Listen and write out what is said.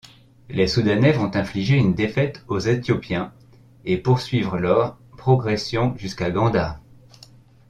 Les Soudanais vont infliger une défaite aux Éthiopiens et poursuivre lors progression jusqu'à Gondar.